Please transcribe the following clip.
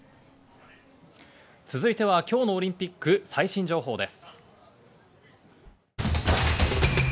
続いては今日のオリンピック最新情報です。